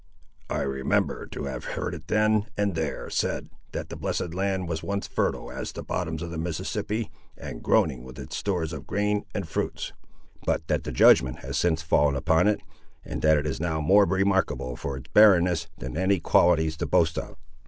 I remember to have heard it, then and there, said, that the Blessed Land was once fertile as the bottoms of the Mississippi, and groaning with its stores of grain and fruits; but that the judgment has since fallen upon it, and that it is now more remarkable for its barrenness than any qualities to boast of."